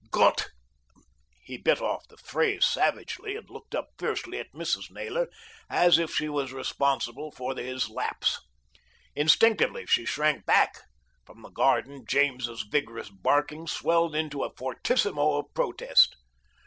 "Gott " He bit off the phrase savagely, and looked up fiercely at Mrs. Naylor, as if she was responsible for his lapse. Instinctively she shrank back. From the garden James's vigorous barking swelled out into a fortissimo of protest.